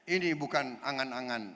ini bukan angan angan